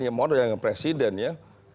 ya mohon jangan dengan presiden ya